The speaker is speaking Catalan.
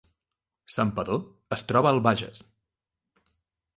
Santpedor es troba al Bages